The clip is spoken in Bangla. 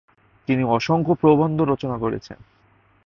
তিনি অসংখ্য প্রবন্ধ রচনা করেছেন।